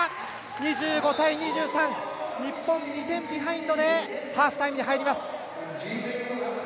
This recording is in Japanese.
２５対２３。日本、２点ビハインドでハーフタイムです。